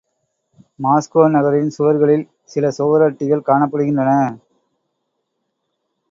Moscow நகரின் சுவர்களில் சில சுவரொட்டிகள் காணப்படுகின்றன.